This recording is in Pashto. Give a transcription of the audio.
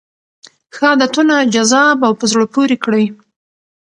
ښه عادتونه جذاب او په زړه پورې کړئ.